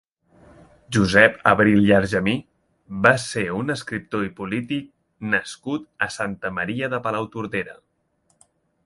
Josep Abril i Argemí va ser un escriptor i polític nascut a Santa Maria de Palautordera.